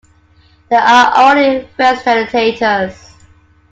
They are only facilitators.